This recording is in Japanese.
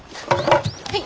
はい。